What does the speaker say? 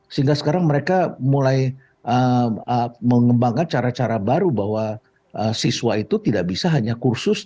sehingga sekarang mereka mulai mengembangkan cara cara baru bahwa siswa itu tidak bisa hanya kursus